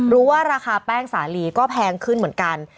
ราคาแป้งสาลีก็แพงขึ้นเหมือนกัน